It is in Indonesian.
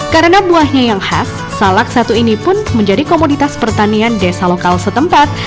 karena buahnya yang khas salak satu ini pun menjadi komoditas pertanian desa lokal setempat